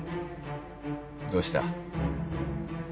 どうした？